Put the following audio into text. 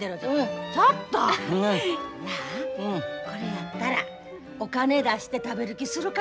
なあこれやったらお金出して食べる気するか？